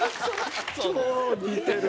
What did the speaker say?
超似てる！